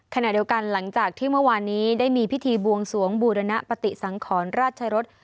ขณะเดียวกันหลังจากที่เมื่อวานนี้ได้มีพิธีบวงสวงบูรณปฏิสังขรราชรส